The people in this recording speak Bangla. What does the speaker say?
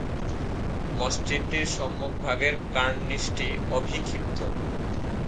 মসজিদটির সম্মুখভাগের কার্নিসটি অভিক্ষিপ্ত।